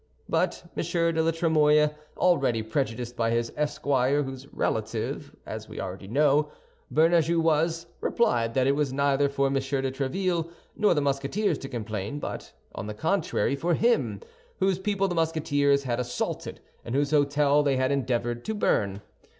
But M. de la Trémouille—already prejudiced by his esquire, whose relative, as we already know, Bernajoux was—replied that it was neither for M. de Tréville nor the Musketeers to complain, but, on the contrary, for him, whose people the Musketeers had assaulted and whose hôtel they had endeavored to burn.